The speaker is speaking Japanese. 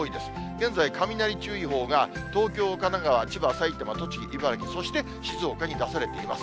現在、雷注意報が、東京、神奈川、千葉、埼玉、栃木、茨城、そして静岡に出されています。